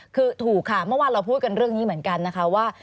คือถูกค่ะเมื่อวานเราพูดกันเรื่องนี้เหมือนกันนะคะว่า